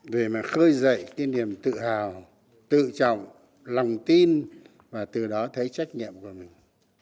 để mà khơi dậy cái niềm tự hào tự trọng lòng tin và từ đó thấy trách nhiệm của mình